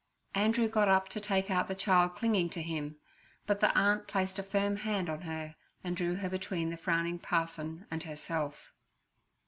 Andrew got up to take out the child clinging to him, but the aunt placed a firm hand on her and drew her between the frowning parson and herself.